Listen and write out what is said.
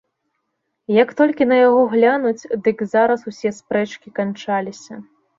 Як толькі на яго глянуць, дык зараз усе спрэчкі канчаліся.